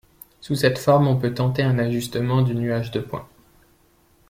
Sous cette forme on peut tenter un ajustement du nuage de points.